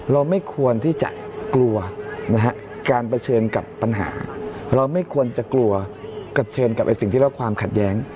เราไม่ควรที่จะกลัวนะฮะการเผชิญกับปัญหาเราไม่ควรจะกลัวเผชิญกับสิ่งที่เราความขัดแย้ง